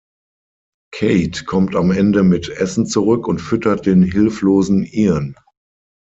Cate kommt am Ende mit Essen zurück und füttert den hilflosen Ian.